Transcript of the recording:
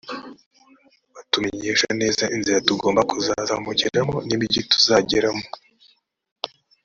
batumenyesha neza inzira tugomba kuzazamukiramo, n’imigi tuzageramo.